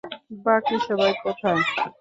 বাকি সবাই কোথায়?